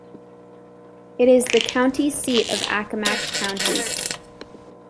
It is the county seat of Accomack County.